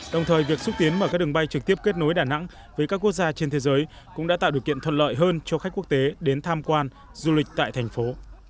đồng thời việc xúc tiến mở các đường bay trực tiếp kết nối đà nẵng với các quốc gia trên thế giới cũng đã tạo điều kiện thuận lợi hơn cho khách quốc tế đến tham quan du lịch tại thành phố